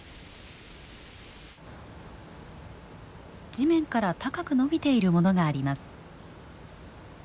地面から高く伸びているものがあります。